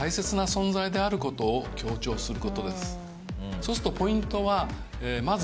そうするとポイントは。